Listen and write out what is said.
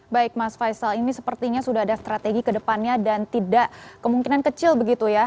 baik mas faisal ini sepertinya sudah ada strategi ke depannya dan tidak kemungkinan kecil begitu ya